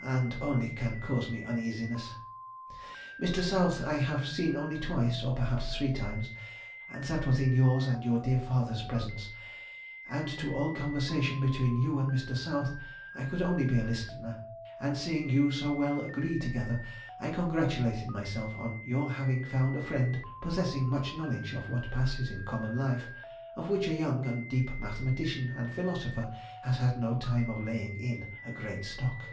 and only can cause me uneasiness. Mr. South I have seen only twice, or perhaps three times, and that was in yours and your dear father's presence, and to all conversation between you and Mr. South I could only be a listener, and, seeing you so well agree together I congratulated myself on your having found a friend possessing much knowledge of what passes in common life, of which a young and deep mathematician and philosopher has had no time of laying in a great stock.